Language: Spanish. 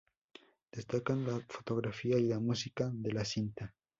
Destacan la fotografía y la música de la cinta.